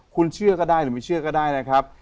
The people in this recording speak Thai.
คุณเชื่อก็ได้หรือไม่เชื่อก็ได้นะครับ